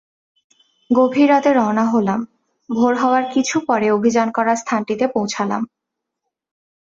গভীর রাতে রওনা হলাম, ভোর হওয়ার কিছু পরে অভিযান করার স্থানটিতে পৌঁছালাম।